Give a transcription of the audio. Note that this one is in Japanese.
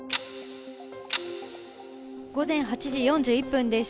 午前８時４１分です。